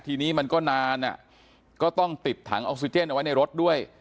ทีนี้มันก็นานก็ต้องติดถังออกซิเจนเอาไว้ในรถด้วย